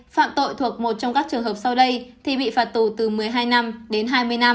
phạm tội thuộc một trong các trường hợp sau đây thì bị phạt tù từ một mươi hai năm đến hai mươi năm